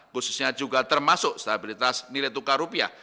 khususnya juga termasuk stabilitas nilai tukar rupiah